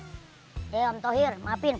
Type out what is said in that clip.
oke bang tauhir